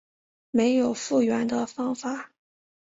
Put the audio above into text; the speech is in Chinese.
没有复原的方法